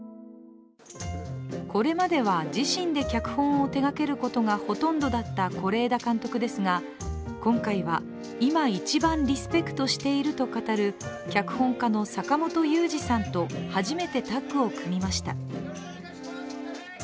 これまでは自身で脚本を手がけることがほとんどだった是枝監督ですが、今回は今一番リスペクトしていると語る脚本家の坂元裕二さんと初めてタッグを組みました。